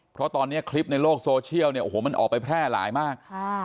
เพราะตอนนี้คลิปในโลกโซเชียลเนี่ยโอ้โหมันออกไปแพร่หลายมาก